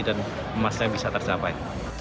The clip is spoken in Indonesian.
dan emasnya bisa tercapai